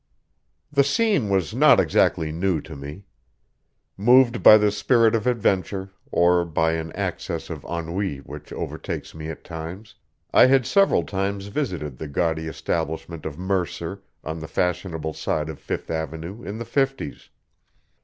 The scene was not exactly new to me. Moved by the spirit of adventure, or by an access of ennui which overtakes me at times, I had several times visited the gaudy establishment of Mercer, on the fashionable side of Fifth Avenue in the Fifties.